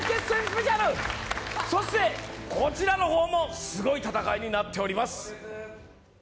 スペシャルそしてこちらの方もすごい戦いになっております。